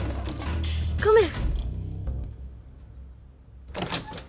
ごめん！